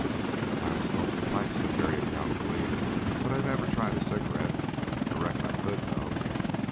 "I've smoked a pipe," said Harriet, doubtfully; "but I've never tried a cigarette. I reckon I could, though."